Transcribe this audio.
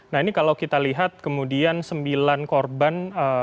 nah ini kalau kita lihat kemudian sembilan korban